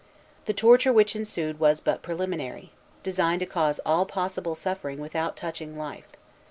The torture which ensued was but preliminary, designed to cause all possible suffering without touching life.